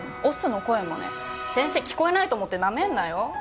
押忍の声もね先生聞こえないと思ってなめんなよ